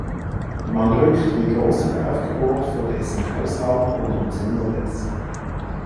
Man rückt mit großem Aufgebot vor dessen Haus an und umzingelt es.